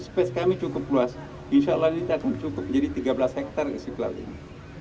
space kami cukup luas insyaallah ini tak cukup jadi tiga belas hektare istiqlal ini